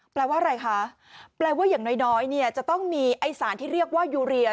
แปลว่าอะไรคะแปลว่าอย่างน้อยเนี่ยจะต้องมีไอ้สารที่เรียกว่ายูเรีย